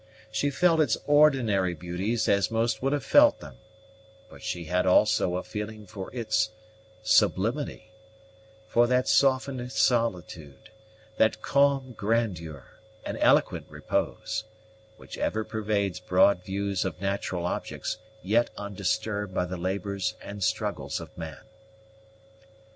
She felt its ordinary beauties as most would have felt them, but she had also a feeling for its sublimity for that softened solitude, that calm grandeur, and eloquent repose, which ever pervades broad views of natural objects yet undisturbed by the labors and struggles of man.